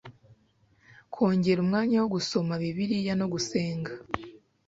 kongera umwanya wo gusoma Bibiliya no gusenga,